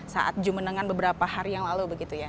saat jum'en dengan beberapa hari yang lalu begitu ya